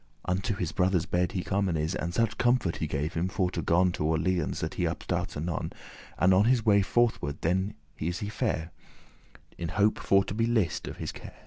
Unto his brother's bed he comen is, And such comfort he gave him, for to gon To Orleans, that he upstart anon, And on his way forth ward then is he fare,* *gone In hope for to be lissed* of his care.